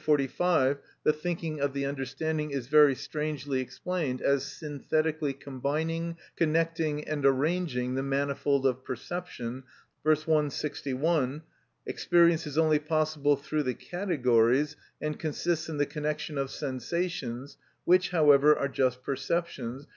145, the thinking of the understanding is very strangely explained as synthetically combining, connecting, and arranging the manifold of perception. V. p. 161, experience is only possible through the categories, and consists in the connection of sensations, which, however, are just perceptions.